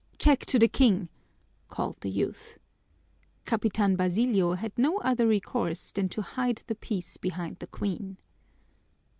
"Check to the king!" called the youth. Capitan Basilio had no other recourse than to hide the piece behind the queen.